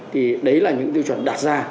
thì đấy là những tiêu chuẩn đặt ra